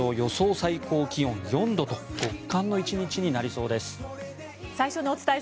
最高気温４度と極寒の１日になりそうです。